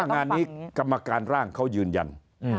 งานนี้กรรมการร่างเขายืนยัน